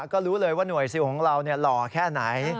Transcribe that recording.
ก็รู้เลยว่าหน่วยซิลของเราหล่อแค่ไหน